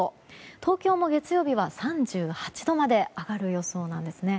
東京も月曜日は３８度まで上がる予想です。